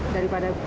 daripada putri raja